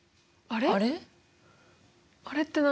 あれって何？